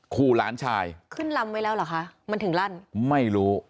ขู่หลานชายขึ้นลำไว้แล้วเหรอคะมันถึงลั่นไม่รู้